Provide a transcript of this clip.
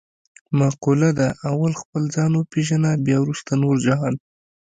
مقوله ده: اول خپل ځان و پېژنه بیا ورسته نور جهان.